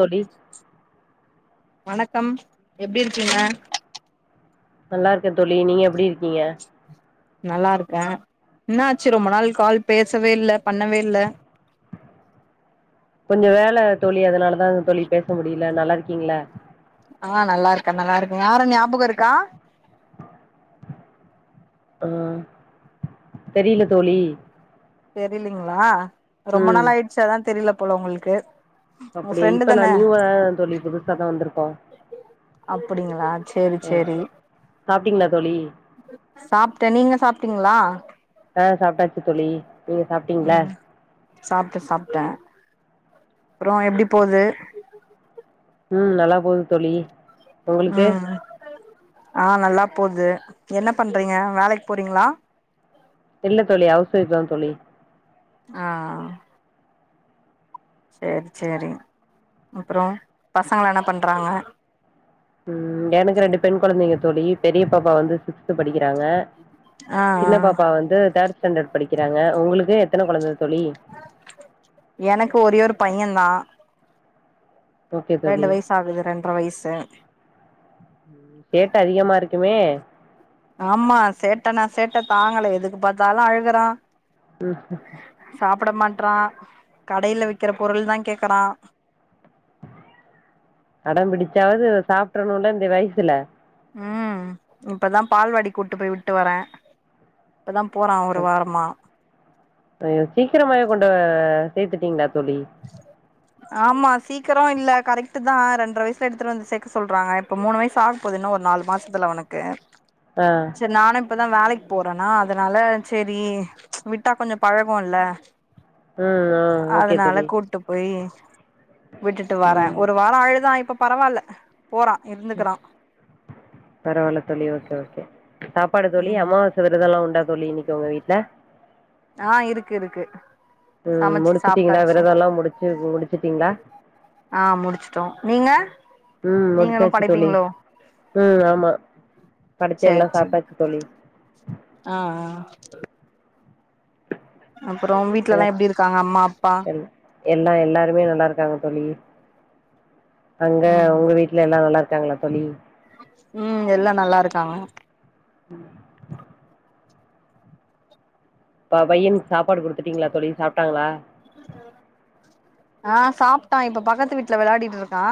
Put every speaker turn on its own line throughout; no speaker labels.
தோழி
வணக்கம் எப்டி இருக்கீங்க
நல்லா இருக்கே தோழி நீங்க எப்டி இருக்கீங்க
நல்லா இருக்கே என்ன ஆச்சி ரொம்ப நாள் கால் பேசவே இல்ல பண்ணவே இல்ல
கொஞ்சோ வேல தோழி அதனாலதா தோழி பேச முடியல நல்லா இருக்கீங்களா
ஆ நல்லா இருக்கே நல்லா இருக்கே யாருன்னு ஞாபகோ இருக்கா
ஆ தெரியல தோழி
தெரியலிங்களா ரொம்ப நாள் ஆயிடுச்சி அதா தெரியல போல உங்களுக்கு உங்க
அப்படியே
ஃப்ரெண்டு
இப்ப நா
தான
நியூவா தா தோழி புதுசாதா வந்துருக்க
அப்டிங்களா சேரி சேரி
சாப்ட்டீங்களா தோழி
சாப்ட்டே நீங்க சாப்ட்டீங்களா
ஆ சாப்ட்டாச்சு தோழி நீங்க சாப்ட்டீங்களா
ம் சாப்ட்டே சாப்ட்டே அப்றோ எப்டி போது
ம் நல்லா போது தோழி உங்களுக்கு
ம் ஆ நல்லா போது என்ன பண்றீங்க வேலக்கி போறீங்களா
இல்ல தோழி ஹவுஸ் வைஃப்தா தோழி
ஆ சேரி சேரி அப்றோ பசங்கல்லா என்ன பண்றாங்க
ம் எனக்கு ரெண்டு பெண் கொழந்தைங்க தோழி பெரிய பாப்பா வந்து சிக்ஸ்த் படிக்கிறாங்க
ஆ
சின்ன
ஆ
பாப்பா வந்து தேர்ட் ஸ்டாண்டர்ட் படிக்கிறாங்க உங்களுக்கு எத்தன கொழந்த தோழி
எனக்கு ஒரே ஒரு பையந்தா
ஓகே
ரெண்டு
தோழி
வயசு ஆகுது ரென்ற வயசு
சேட்ட அதிகமா இருக்குமே
ஆமா சேட்ட நா சேட்ட தாங்கள எதுக்கு பாத்தாலு அழுகுறா
ம்
சாப்ட மாட்றா கடேல விக்கிற பொருள்தா கேக்குறா
அடம்பிடிச்சாவது சாப்ட்றணும்ல இந்த வயசுல
ம் இப்பதா பால்வாடிக்கு கூட்டு போய் விட்டு வரே இப்பதா போறா ஒரு வாரமா
ஐயோ சீக்கிரமாவே கொண்டு சேத்துட்டீங்களா தோழி
ஆமா சீக்கரோ இல்ல கரெக்ட் தா ரெண்ர வயசுல எடுத்துட்டு வந்து சேக்க சொல்றாங்க இப்ப மூணு வயசு ஆக போது இன்னு ஒரு நாலு மாசத்துல அவனுக்கு
ஆ
சேரி நானு இப்பதா வேலக்கி போறேனா அதனால சரி விட்டா கொஞ்சோ பழகும்ல்ல
ம் ஆ ஓகே தோழி
போய் விட்டுட்டு வரேன்
ம்
ஒரு வாரம் அழுதா இப்ப பரவால்ல போறா இருந்துக்குறா
பரவால்ல தோழி ஓகே ஓகே சாப்பாடு தோழி
ம்
அமாவாச வெர்த உண்டா தோலி இன்னிக்கு உங்க வீட்ல
ஆ இருக் இருக்கு
ம்
சமச்சு
முடிச்சுட்டீங்களா
சாப்ட்டாச்சு
விரதம் எல்லாம் முடிச்சு முடிச்சுட்டீங்களா
ஆ முடிச்சட்டோம் நீங்க
ம்
நீங்களு
முடிச்சாச்சு தோழி
படைப்பீங்களோ
ம் ஆமா படச்சி எல்லா
சேரி சேரி
சாப்டாச்சு தோழி
ஆ ஆ அப்புறோ
எது
வீட்லல்லா எப்டி இருக்காங்க அம்மா அப்பா
எல் எல்லா எல்லாருமே நல்லா இருக்காங் தோழி அங்க
ம்
உங்க வீட்ல எல்லா நல்லா இருக்காங்களா தோழி
ம் எல்லாம் நல்லா இருக்காங்க
ப பையனுக்கு சாப்பாடு குடுத்துட்டீங்களா தோழி சாப்டாங்களா
ஆ சாப்ட்டான் இப்ப பக்கத்து வீட்ல விளையாடிட்டு இருக்கா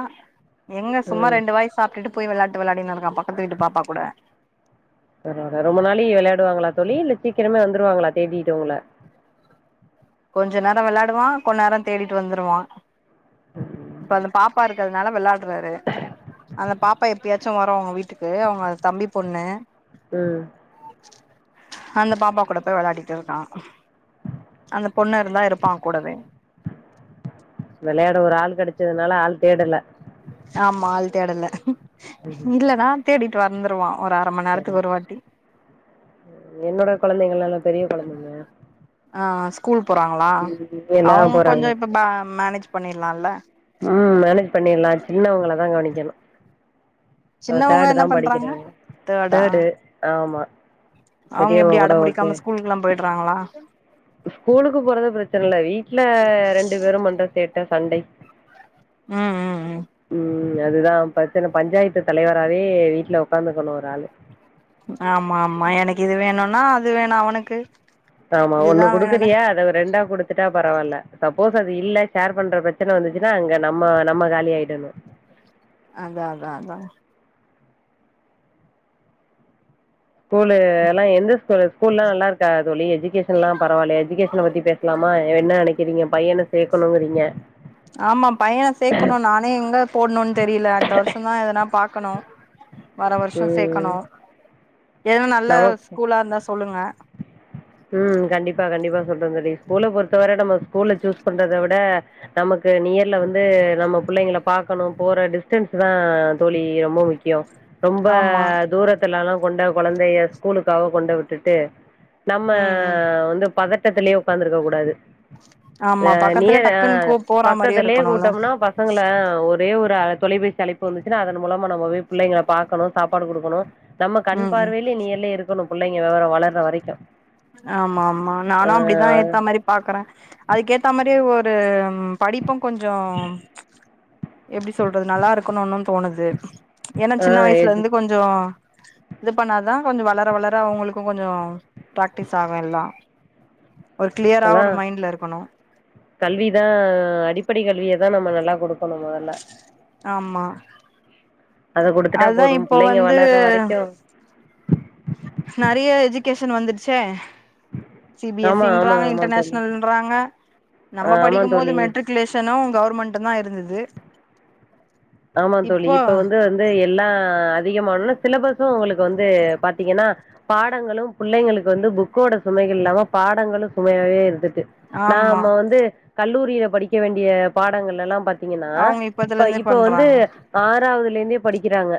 எங்க சும்மா
ம்
ரெண்டு வாய் சாப்டுட்டு போய் விளையாட்டு விளாடின் இருக்கான் பக்கத்து வீட்டு பாப்பா கூட
பரவால்ல ரொம்ப நாலி விளையாடுவாங்களா தோழி இல்ல சீக்கிரமே வந்துருவாங்களா தேடிட்டு உங்கள
கொஞ்சே நேரம் விளையாடுவான் கொஞ்ச நேரம் தேடிட்டு வந்துருவான் இப்ப அந்த பாப்பா இருக் னால விளாடுறாரு அந்த பாப்பா எப்பயாச்சும் வரும் வீட்டுக்கு அவங்க வீட்டுக்கு அவங்க தம்பி பொண்ணு
ம்
அந்த பாப்பா கூட போய் விளயாடிட்டு இருக்கான் அந்த பொண்ணுர்ந்தா இருப்பான் கூடவே
விளயாட ஒரு ஆள் கெடச்சதுனால ஆள் தேடல
ஆமா ஆள் தேடல இல்லன்னா தேடிட்டு வந்துருவான் ஒரு அரை மணி நேரத்துக்கு ஒரு வாட்டி
என்னோட குழந்தைங்கலா நல்ல பெரிய குழந்தைங்க
ஆ ஸ்கூல் போறாங்களா அவங்க கொஞ்சே இப்ப பே மேனேஜ் பண்ணிட்லாம் இல்ல
ம் மேனேஜ் பண்ணிட்லா சின்னவங்களதா கவனிக்கணும்
சின்னவங்க என்ன
தேர்டுதா
பண்றாங்க
படிக்கிறாங்க
தேர்டா
தேர்டு ஆமா
அவங்க எப்டி
பெரியவங்க
அட
கூட ஓகே
பிடிக்காம ஸ்கூலுக்ல்லாம் போயிட்றாங்களா
ஸ்கூலுக்கு போறத பிரச்சனை இல்ல வீட்ல ரெண்டு பேரூம் பண்ற சேட்ட சண்டை
ம் ம் ம்
ம். அதுதான் பிரச்சன பஞ்சாயத்து தலைவராவே வீட்ல ஒக்காந்துக்கணும் ஒரு ஆளு
ஆமா ஆமா எனக்கு இது வேணும்னா அது வேணும் அவனுக்கு
ஆமா ஒண்ணு
இதுதா வேணுன்னா
குடுக்குறியா அத ரெண்டா கொடுத்துட்டாப் பரவால்ல சப்போஸ் அது இல்ல ஷேர் பண்ற பிரச்சனை வந்துச்சுன்னா அங்க நம்ம நம்ம காலி ஆயிடணு
அதான் அதான் அதான்
ஸ்கூலூ எல்லாம் எந்த ஸ்கூல் ஸ்கூல்லாங் நல்லா இருக்கா தோழி எஜுகேஷன்ல்லா பரவால்லயா எஜுகேஷன் பத்தி பேசலாம என்ன நினைக்கிறீங்க பையன சேர்க்கணூங்கிறீங்க
ஆமா பையன சேர்க்கணூம் நானே எங்க போட்ணும் தெரியல அடுத்த வருஷம்தா எதனா பாக்கணும் வர வருஷம்
ம்.
சேக்கணு ஏதுனா நல்ல
நமக்கு
ஸ்கூலா இருந்தா சொல்லுங்க
சொல்ற தோழி ஸ்கூல பொறுத்தவர நம்ம ஸ்கூல்ல சூஸ் பண்றத விட நமக்கு நியர்ல வந்து நம்ம புள்ளைங்க பாக்கணு போற டிஸ்டன்ஸ்தா தோழி ரொம்ப முக்கியம் ரொம்ப
ஆமா
தூரத்துலல்லா கொண்ட கொழந்தய ஸ்கூலுக்காக கொண்டு விட்டுட்டு நம்ம
ம் ம்
வந்து பதட்டத்திலயே உக்காந்திருக்க கூடாது
ஆமா
ஆ
பக்கத்துல
நியர் ஆ
டக்குன்னு கூ போற மாரியு
பக்கத்துலயே
இருக்கணுல
கூட்டோம்னா பசங்கள அ ஒரே ஒரு அழத் தொலைபேசி அழைப்பு வந்துச்சுன்னா அதன் மூலமா நம்ம பிள்ளைங்கள பார்கணும் சாப்பாடு குடுக்கணு நம்ம கண்
ம் ம்
பார்வைலே நீயருல்லே இருக்கணும் பிள்ளைங்க விவரம் வளர்ற வரைக்கு
ஆமா ஆமா நானும் அப்படிதான் ஏத்த மாரி பாக்குறே அதுக்கு ஏத்த மாரி ஒரு ம் படிப்பும் கொஞ்சம் எப்படி சொல்றது நல்லா இருக்குன்னும் தோணுது ஏன்னா
ஆ
சின்ன வயசுல
எது
இருந்து கொஞ்சம் இது பண்ணாதான் கொஞ்சம் வளர வளர அவங்களுக்கும் கொஞ்சம் பிராக்டிஸ் ஆகும் எல்லா ஒரு கிளியரா
அத
ஒரு மைண்ட்ல இருக்கணு
கல்விதான் அடிப்படை கல்வியைதான் நம்ம நல்லா கொடுக் கொடுக்கனும் முதல்ல
ஆமா
அத குடுத்துட்டா
அதுதா
போதும்
இப்போ
புள்ளைங்க
வந்து
வளர்ற வரைக்கு
நறைய எஜுகேஷன் வந்துடுச்சே
ஆமா ஆமா
சிபிஎஸ்சின்றாங்க
ஆமா தோழி
இன்டர்நேஷனல்ன்றாங்க
ஆ
நம்ம
ஆமா
படிக்கும் போது
தோழி
மெட்ரிகுலேஷனும் கவர்மெண்டும் தான் இருந்தது
ஆமா தோழி
இப்போ
இப்ப வந்து வந்து எல்லாம் அதிகமானும்னா சிலபஸும் உங்களுக்கு வந்து பாத்தீங்கன்னா பாடங்களும் புள்ளைங்களுக்கு வந்து புக்கோட சுமைகள் இல்லாம பாடங்களும் சுமையாவே இருந்துட்டு
ஆமா
நாம வந்து கல்லூரியில படிக்க வேண்டிய பாடங்கள் எல்லாம் பா திங்கன்னா
அவங்க இப்பத்துல
இப்ப
இருந்தே
இப் வந்து
பண்றாங்க
ஆறாவதுலிருந்தே படிக்கிறாங்க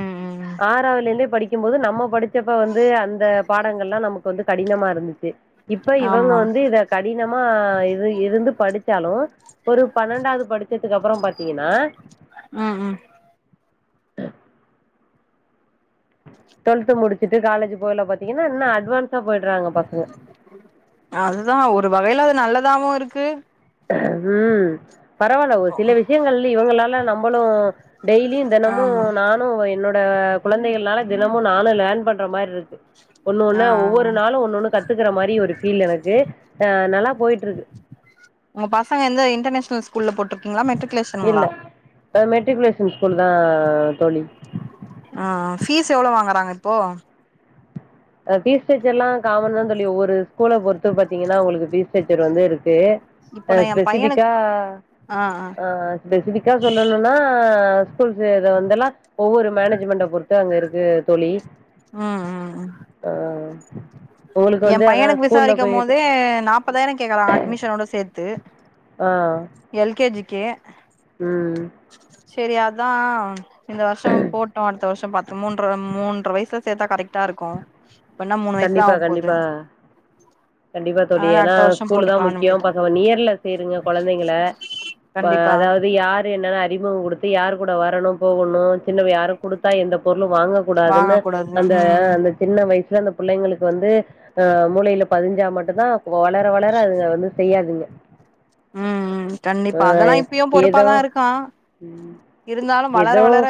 ம் ம்
ஆறாவதுலிருந்தே படிக் கும்போது நம்ம படிச்சப்ப வந்து அந்த பாடங்கள்லா நமக்கு வந்து கடினமா இருந்துச்சு இப்ப இவங்க
ஆமா
வந்து இத கடினமா இது இருந்து படிச்சாலு ஒரு பன்னண்டாது படிச்சதுக்கப்புற பாத்திங்கனா
ம் ம்
டுவெல்த் முடிச்சுட்டு காலேஜ் போகைல பாத்திங்கனா இன்னொ அட்வான்ஸ்
அதுதா ஒரு வகைல அது நல்லதாவு இருக்கு
ம் பரவால்ல ஒ சில விஷயங்கள்ல இவங்களால நம்மளு டெய்லியு தெனமு
ஆமா
நானு என்னோ ட குழந்தைகள்னால தினமு நானு லேர்ன் பண்ற மார்ருக்கு ஒண்ணு
ஆ
ஒண்ணா ஒவ்வொரு நாளு ஒன்னு ஒண்ணு கத்துக்கற மாரி ஒரு ஃபீல் எனக்கு அ நல்லா போயிட்ருக்கு
உங்க பசங்க எந்த இன்டர்நேஷனல் ஸ்கூல்ல போட்ருக்கிங்ளா
இல்ல
மெட்ரிகுலேஷனுங்ளா
அ மெட்ரிகுலேஷன் ஸ்கூல் தா தோழி
ஆ ஃபீஸ் எவ்ளொ வாங்கறாங்க இப்போ
அ ஃபீஸ் ஸ்ட்ரக்ச்சர்ல்லா காமன் தா தோழி ஒவ்வொரு ஸ்கூல பொருத்து பாத்திங்கனா உங்களுக்கு ஃபீஸ் ஸ்ட்ரச்சர் வந்து இருக்கு
இப்போ நா எ
ஸ்பெசிஃபிக்கா
பையனுக்கு
ஆ ஸ்பெசிஃபிக்கா சொல்லணுனா ஸ்கூல்ஸ் இத வந்தெல்லா ஒவ்வொரு மேனேஜ்மெண்ட பொருத் தா அங்க இருக்கு தோழி
ம் ம்
ஆ உங்களுக்
எம்பையனுக்கு விசாரிக்கும் போது நாப்பதாயிர கேக்கறாங்க அட்மிஷனோட சேத்து
ஆ
எல் கே ஜி க்கு
ம்
சரி அதா இந்த வருஷ போட்டு அடுத்த வருஷ பாத் து மூன்ற மூன்ற வயசுல சேத்தா கரெக்டா இருக்கு இப்பன்னா மூணு வயசுதா
கண்டிப்பா
ஆக போது
கண்டிப்பா கண்டிப்பா தோழி
அதனால
ஏனா
அடுத்த வருஷோ
ஸ்கூல் தா
போட்டுக்கலான்னு
முக்கிய
விட்டுட்டே
பசங்க நியர்ல சேருங்க கொழந்தைங்கள ம
கண்டிப்பா
அதாவது யார் என்னன் அறிமுக குடுத்து யார் கூட வரணு போகணு சின்னத யாரு குடுத்தா எந்த பொருளு
வாங்க
வாங்கக்கூடாதுன்னு
கூடாது
அந்த
ம்
அந்த சின்ன வயசுல அந்த புள்ளைங்களுக்கு வந்து அ மூளையில பதிஞ்சா மட்டுந்தா வளர வளர அதுங்க வந்து செய்யாதுங்க
ம் ம்
ஆ
கண்டிப்பா அதெல்லா இப்பயு
ஏதோ
பொறுப்பாதா இருக்கா இருந்தாலு வளர
ஏதோ
வளர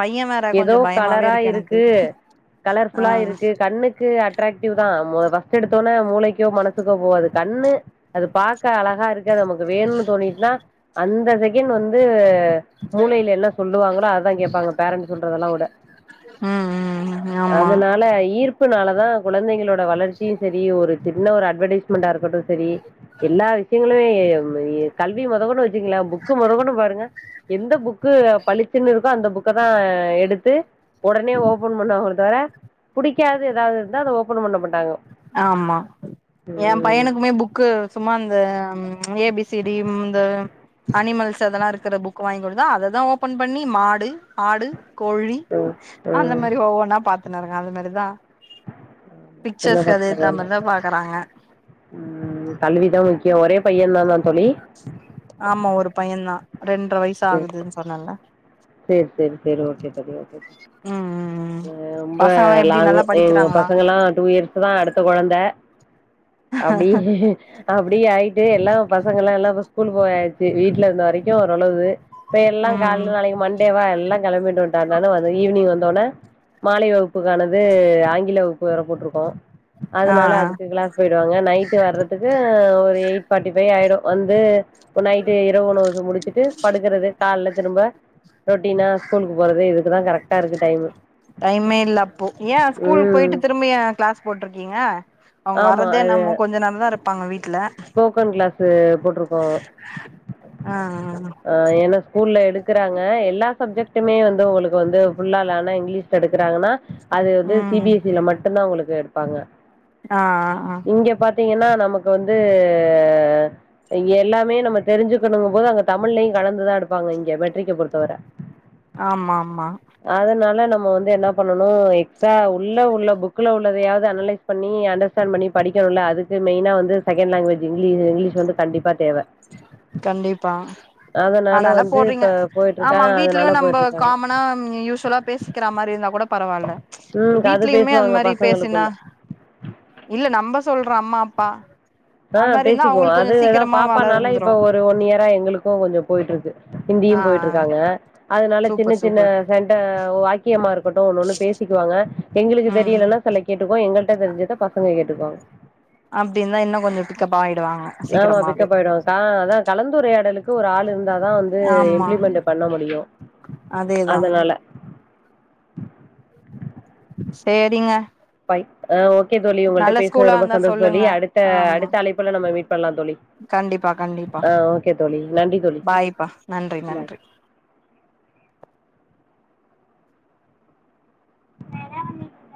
பைய வேற
ஏதோ
கொஞ்சோ பயமாவே
கலரா
இருக்கு எனக்கு ஆ
கலர்ஃபுல்லா இருக்கு கண்ணுக்கு அட்ராக்டிவ் தா மூள ஃபஸ்ட் எடுத்தொனே மூளைக்கோ மனசுக்கோ போகாது கண்ணு அது பாக்க அழகா இருக் கே நமக்கு வேணுனு தோணிட்னா அந்த செகண்ட் வந்து மூளையில என்ன சொல்லுவாங்களோ அதுதா கேப்பாங்க பேரண்ட்ஸ் சொல்றதெல்லா வுட
ம் ம் ஆமா
அதனால ஈர்ப் புனால தா குழந்தைங்களோட வளர்ச்சியு சரி ஒரு சின்ன ஒரு அட்வர்டெய்ஸ்மெண்ட்டா இருக்கட்டு செரி ப்ப எல்லா விஷயங்களே நம்ம கல்வி மொதகொண்டு வச்சுங்களே புக்கு மொதகொண்டு பாருங்க எந்த புக்கு பளிச்சினு இருக்கோ அந்த புக் க்கதா எடுத்து ஒடனே ஓபன் பண்ணு ஒரு தர புடிக்காது எதாது இருந்தா அத ஓபன் பண்ண மாட்டாங்க
ஆமா எம்
ம்
பையனுக்குமே புக்கு சும்மா அந்த ம் ஏ பி சி டி இந்த அனிமல்ஸ் அதெல்லா இருக் குற புக் வாங்க்குடுத்தா அததா ஓபன் பண்ணி மாடு ஆடு கோழி
ம்
அந்த
ம்
மாரி ஒவ்வொன்னா பாத்துனுருக்கா அது மாரிதா
சின்ன
பிக்சர்ஸ்க்கு அது ஏத்த
பசங்கள்ள
மாரிதா பாக்குறாங்க
ம் கல்விதா முக்கியோ ஒரே பையந்தானா
ஆமா ஒரு பையந்தா ரெண்ற வயிசு ஆகுதுன் சொன்னன்ல
செரி செரி செரி ஓகே தோழி ஓகே தோழி
ம் ம் ம்
அ ரொம்ப
பசங்கல்லா எப்டி
லாங்கு
நல்லா
எங்க
படிக்கிறாங்களா
பசங்கலா டூ இயர்ஸ் தா அடுத்த கொழந்த அப்டியே அப்டியே ஆய்ட்டு எல்லா பசங்களா எல்லா இப்ப ஸ்கூல் போயாச்சி வீட்ல இன்ன வரைக்கு ஒரளவு இப்ப எல்லா
ம் ம்
கால்ல நாளைக்கு மண்டேவா எல்லா கெளம்பிட்டு என்ன இருந்தாலு அது ஈவினிங் வந்தோனே மாலை வகுப்புக்கானது ஆங்கில வகுப்பு வேற போட்ருக்கோ
ஆ
அதனால
ஆ
அதுக்கு கிளாஸ் போயிடுவாங்க நைட்டு வர்றதுக்கு ஒரு எயிட் ஃபார்டி ஃபைவ் ஆயிடு வந்து நைட்டு இரவு ஒணவு முடிச்சிட்டு படுக்கறது கால்ல திரும்ப ரொட்டீனா ஸ்கூலுக்கு போறது இதுக்கு தா கரெக்டா இருக்கு டைமு
டைமே இல்ல அப்போ ஏ ஸ்கூல்
ம்
போய்ட்டு திரும்பி ஏ கிளாஸ் போட்ருக்கீங்க அவங்க
ஆமா
வரதே
அது
என்னமோ கொஞ்சோ நேரந்தா இருப்பாங்க வீட்ல
து போட்ருக்கோ
ஆ
அ ஏன்னா ஸ்கூல்ல எடுத் க்குறாங்க எல்லா சப்ஜெக்டுமே வந்து உங்களுக்கு வந்து ஃபுல்லாலான இங்கிலீஷ்ல எடுக்குறாங்கனா அது வந்து
ஆ
சி
ம்
பி எஸ் சில மட்டுந்தா உங்களுக்கு எடுப்பாங்க
ஆ ஆ
இங்க பாத்தீங்கன்னா நமக்கு வந்து இங்க எல்லாமே நம்ம தெரிஞ்சுக்கணுங்கு போது அவுங்க தமிழ்லயு கலந்துதா எடுப்பாங்க இங்க மெட்ரிக்க பொறுத்தவர
ஆமா ஆமா
அதனால நம்ம வந்து என்ன பண்ணணு எக்ஸ்டா உள்ள உள்ள புக்ல உள்ளதையாவது அனலைஸ் பண்ணி அண் டர்ஸ்டாண் பண்ணி படிக்கணுல்ல அதுக்கு மெயினா வந்து செகேண்டு லங்குவேஜ்ஜி இங்லீ இங்லீஷ்ஷு வந்து கண்டிப்பா தேவ
கண்டிப்பா
அதனால வந்து இப்ப போ
ஆமா வீட்லயு நம்ப காமனா யூஸ்வலா பேசிக்கிறா மாரி இருந்தா கூட பரவால்ல
ம் அது
வீட்லயுமே அந்த
பேசுவாங்க
மாரி பேசினா
பசங்களுக்குள்ள.
இல்ல நம்ப சொல்ற அம்மாப்பா
அ பேசிக்குவோ அதுதா பாப்பானால இப்ப
வளர்ந்துரு
ஒ ரு ஒன் இயரா எங்களுக்கு கொஞ்சோ‌ போயிட்ருக்கு ஹிந்தியு
ஆ
போயிட்ருக்காங்க அதனால சின்ன
சூப்பர்
சின்ன
சூப்பர்
சண்ட வாக்கியமா இருக்கட்டு ஒன்னு ஒன்னு பேசிக்குவாங்க எங்களுக்கு
ம்
தெரியலன்னா சில கேட்டுக்கோ எங்கள்ட்ட தெரிஞ்சத பசங்க கேட்டுப்பாங்க
அப்டின்தா இன்னோ கொஞ்சோ பிக்கப் ஆயிடுவாங்க
ஆமா
சீக்கிரமாவே
பிக்கப்பாயிடுவாங் அ அதா கலந்துரையாடலுக் கு ஒரு ஆள் இருந்தாதா வந்து
ஆமா
இம்ப்ளிமெண்ட்டு பண்ண முடியு
அதேதா
அதனால
சேரிங்க
அ ஓகே தோழி உங்கள்ட்ட
நல்ல
பேசுனது
ஸ்கூலா
ரொம்ப
இருந்தா
சந்தோஷ தோழி
சொல்லுங்க
அடுத்த
ஆமா
அடுத்த அழைப்புல நம்ம மீட் பண்லா தோழி
கண்டிப்பா கண்டிப்பா
ஆ ஓகே தோழி நன்றி தோழி
பாய்ப்பா நன்றி
பாய்
நன்றி [inaudible]
வேற வண்ணக்கு